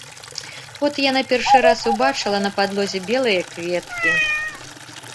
От яна першы раз убачыла на падлозе белыя кветкі.